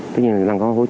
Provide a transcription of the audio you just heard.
tuy nhiên là đang có hỗ trợ